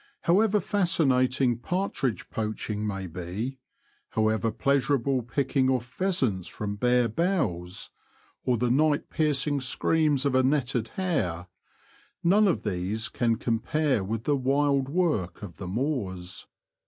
However fascinating partridge poaching may be ; however pleasur able picking off pheasants from bare boughs ; or the night piercing screams of a netted hare — none of these can compare with the wild work of the moors.